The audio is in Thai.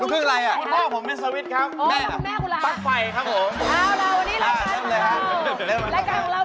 ลูกครึ่งอะไรครับ